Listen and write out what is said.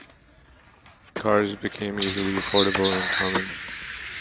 Cars became easily affordable and common.